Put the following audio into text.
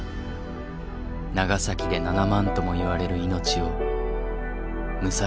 長崎で７万ともいわれる命を無差別に奪った。